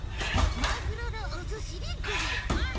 マグロのおすしでごぜえやす。